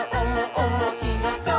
おもしろそう！」